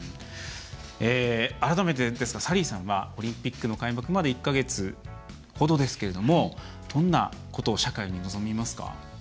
改めて、サリーさんはオリンピックの開幕まで１か月ほどですけれどもどんなことを社会に望みますか？